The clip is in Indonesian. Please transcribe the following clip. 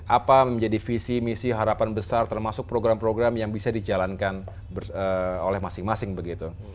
apa menjadi visi misi harapan besar termasuk program program yang bisa dijalankan oleh masing masing begitu